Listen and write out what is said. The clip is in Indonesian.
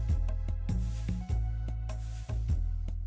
barangkali dia sudah kan